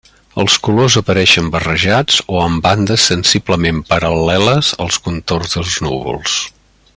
Els colors apareixen barrejats o amb bandes sensiblement paral·leles als contorns dels núvols.